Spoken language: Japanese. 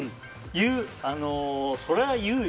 言う！